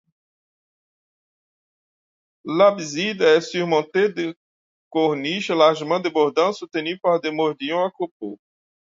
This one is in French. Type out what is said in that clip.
L'abside est surmontée de corniches largement débordantes soutenues par des modillons à copeaux.